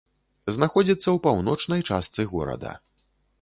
Знаходзіцца ў паўночнай частцы горада.